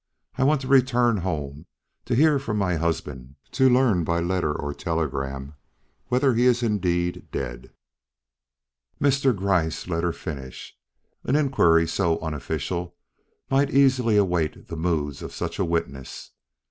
I want to return home to hear from my husband to learn by letter or telegram whether he is indeed dead." Mr. Gryce had let her finish. An inquiry so unofficial might easily await the moods of such a witness.